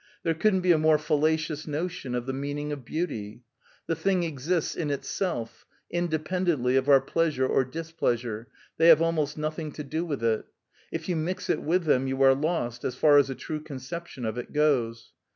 "There couldn't be a more fallacious notion of the meaning of beauty. The thing exists in itself, independently of our pleasure or displeasure; they have almost nothing to do with it. If you mix it with them you are lost, as far as a true conception of it goes.